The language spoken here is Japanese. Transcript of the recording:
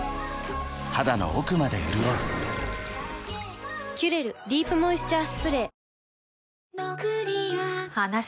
肌の奥まで潤う「キュレルディープモイスチャースプレー」